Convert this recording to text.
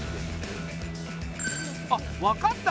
あっ分かった。